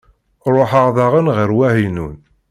Ruḥeɣ daɣen ɣer Wahinun.